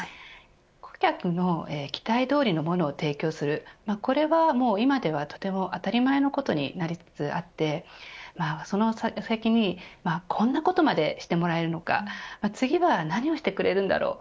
顧客の期待どおりのものを提供するこれは、今ではとても当たり前のことになりつつあってその先にこんなことまでしてもらえるのか次は何をしてくれるんだろう。